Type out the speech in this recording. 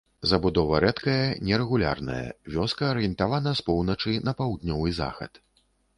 Забудова рэдкая, нерэгулярная, вёска арыентавана з поўначы на паўднёвы захад.